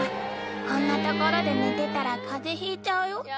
こんなところで寝てたら風邪ひいちゃうよ。